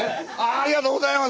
ありがとうございます！